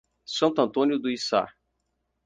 Santo Antônio do Içá